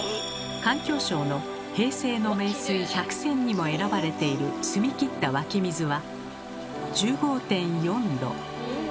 環境省の「平成の名水百選」にも選ばれている澄み切った湧き水は１５．４℃。